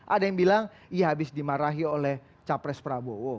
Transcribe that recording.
ada yang bilang ia habis dimarahi oleh capres prabowo